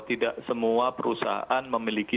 tidak semua perusahaan memiliki